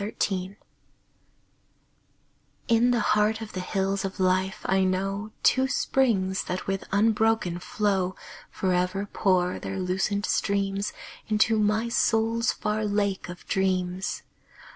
My Springs In the heart of the Hills of Life, I know Two springs that with unbroken flow Forever pour their lucent streams Into my soul's far Lake of Dreams.